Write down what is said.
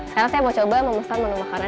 sekarang saya mau coba memesan menu makanan